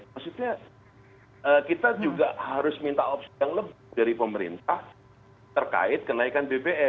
maksudnya kita juga harus minta opsi yang lebih dari pemerintah terkait kenaikan bbm